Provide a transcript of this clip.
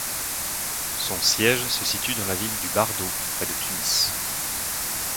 Son siège se situe dans la ville du Bardo, près de Tunis.